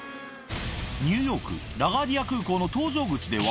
ニューヨーク・ラガーディア空港の搭乗口では。